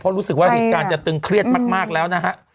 เพราะรู้สึกว่าเหตุการณ์จะตึงเครียดมากแล้วนะฮะ